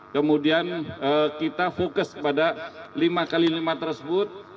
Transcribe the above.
kemudian kita fokus pada lima x lima tersebut